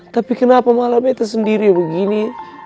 tapi kenapa malah kita sendiri begini